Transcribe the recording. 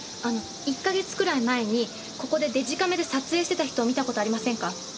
あの１か月くらい前にここでデジカメで撮影してた人を見た事ありませんか？